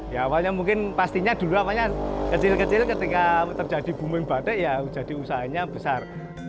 ya awalnya mungkin pastinya dulu apanya kecil kecil ketika terjadi booming batik ya jadi usahanya besar